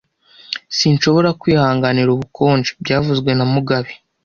Sinshobora kwihanganira ubukonje byavuzwe na mugabe